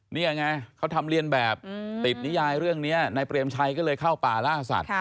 นี่ไงเขาทำเรียนแบบติดนิยายเรื่องนี้นายเปรมชัยก็เลยเข้าป่าล่าสัตว